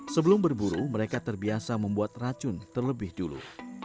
sebelum berburu mereka terbiasa membuat racun terlebih dulu